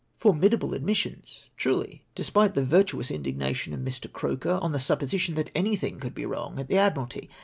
'' Formidable admissions, truly, despite the viiliious indignation of Mr. Croker on the supposition that any thing could be wrong at the Admiralty.